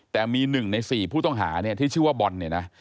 แต่มีหนึ่งในสี่ผู้ต้องหาที่ชื่อว่าบอลเนี่ยนะ